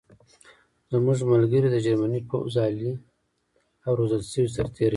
زموږ ملګري د جرمني پوځ عالي او روزل شوي سرتېري وو